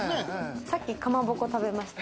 さっき、かまぼこ食べました。